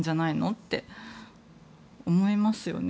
って思いますよね。